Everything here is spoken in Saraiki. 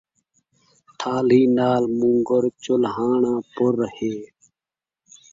تھالی ناں مُنگر، چُلھاݨا پُر ہے